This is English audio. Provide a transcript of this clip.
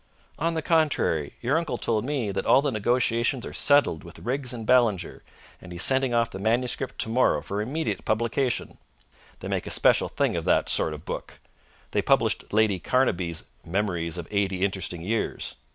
"On the contrary, your uncle told me that all negotiations are settled with Riggs and Ballinger, and he's sending off the manuscript tomorrow for immediate publication. They make a special thing of that sort of book. They published Lady Carnaby's 'Memories of Eighty Interesting Years.'"